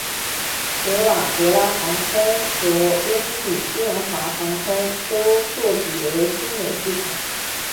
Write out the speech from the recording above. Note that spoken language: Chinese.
合瓦博拉航空和温比殿华航空都作比为枢纽机场。